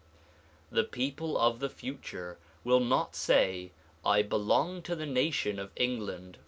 The people of the future will not say "I belong to the nation of England.